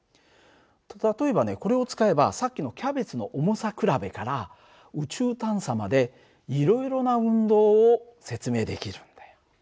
例えばねこれを使えばさっきのキャベツの重さ比べから宇宙探査までいろいろな運動を説明できるんだよ。